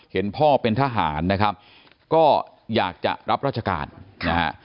เห็นพ่อเป็นทหารนะครับก็อยากจะรับราชการนะฮะ